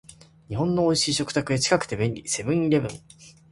日本の美味しい食卓へ、近くて便利、セブンイレブン